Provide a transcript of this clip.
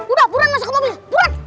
udah buruan masuk ke mobil buruan